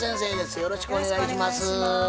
よろしくお願いします。